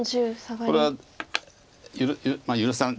これは許さん。